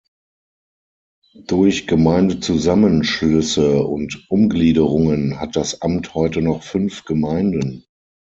Durch Gemeindezusammenschlüsse und Umgliederungen hat das Amt heute noch fünf Gemeinden.